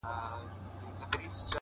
هغې بېگاه زما د غزل کتاب ته اور واچوه”